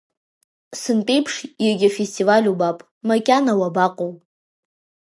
Сынтәеиԥш егьа фестиваль убап, макьана уабаҟоу!